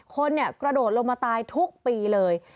คนกระโดดลงมาตายทุกปีเลย